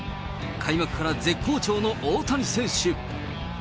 開幕から絶好調の大谷選手。